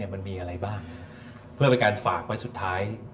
มันมีอะไรบ้างเพื่อเป็นการฝากไว้สุดท้าย